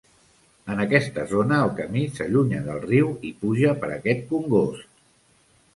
En aquesta zona, el camí s'allunya del riu i puja per aquest congost.